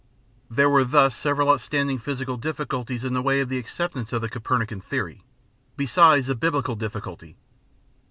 There were thus several outstanding physical difficulties in the way of the acceptance of the Copernican theory, besides the Biblical difficulty.